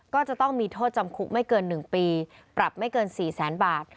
ก็จะต้องมีโทษจำคุกไม่เกิน๑ปีปรับไม่เกิน๔แสนบาท